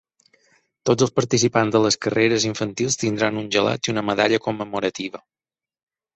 Tots els participants de les carreres infantils tindran un gelat i una medalla commemorativa.